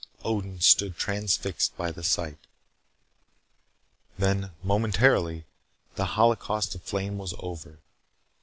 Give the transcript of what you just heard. Odin stood transfixed by the sight. Then, momentarily, the holocaust of flame was over.